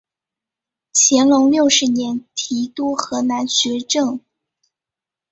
乾隆六十年提督河南学政。